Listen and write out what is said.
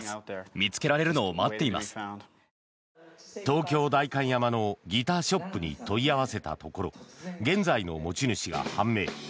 東京・代官山のギターショップに問い合わせたところ現在の持ち主が判明。